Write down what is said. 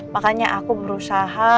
makanya aku berusaha